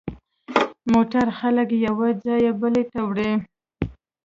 موټر خلک له یوه ځایه بل ته وړي.